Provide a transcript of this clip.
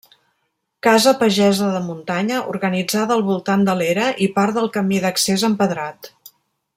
Casa pagesa de muntanya, organitzada al voltant de l'era i part del camí d'accés empedrat.